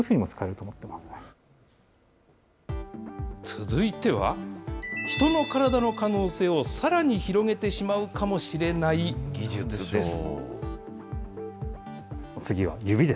続いては、人の体の可能性をさらに広げてしまうかもしれない技術です。